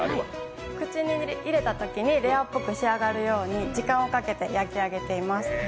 口に入れたときにレアっぽく仕上がるように時間をかけて焼き上げています。